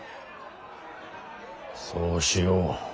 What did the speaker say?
そうしよう。